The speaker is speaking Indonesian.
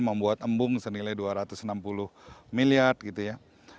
membuat embung senilai dua ratus enam puluh miliar gitu ya